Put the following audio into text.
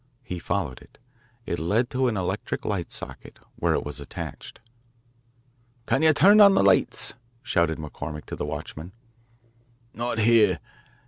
He followed it. It led to an electric light socket, where it was attached. "Can't you turn on the lights?" shouted McCormick to the watchman. "Not here.